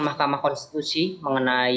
mahkamah konstitusi mengenai